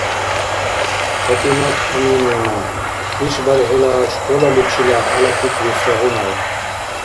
ПатӀимат Аминовна, ишбархӀила школаличила хӀела пикри сегъунав?